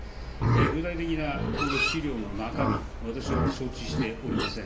具体的なこの資料の中身、私は承知しておりません。